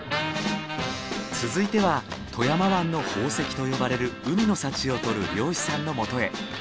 続いては富山湾の宝石と呼ばれる海の幸を獲る漁師さんのもとへ。